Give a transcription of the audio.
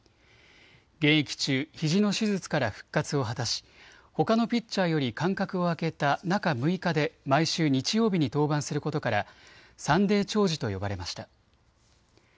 現役中、ひじの手術から復活を果たし、ほかのピッチャーより間隔を空けた中６日で毎週日曜日に登板することからサンデー兆治と呼ばれました。